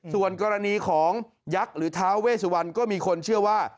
ส่วนกรณีของยักษ์หรือท้าเวสุวรรณก็มีคนเชื่อว่า